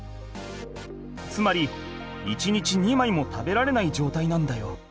つまり１日２枚も食べられないじょうたいなんだよ。